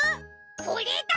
これだ！